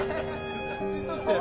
・写真撮ってやるよ。